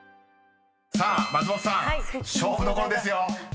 ［さあ松本さん勝負どころですよ］